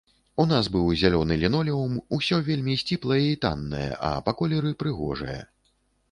У нас быў зялёны лінолеум, усё вельмі сціплае і таннае, а па колеры прыгожае.